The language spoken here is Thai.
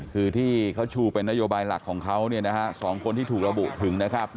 คือที่เขาชูเป็นนโยบายหลักของเขา๒คนที่ถูกระบุถึงนะครับ